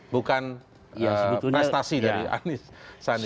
bukan prestasi dari anies sandi